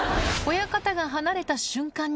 親方が離れた瞬間に。